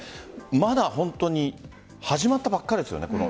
まだ本当に始まったばっかりですよね